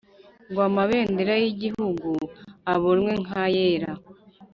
ngo amabendera y ibihugu abonwe nk ayera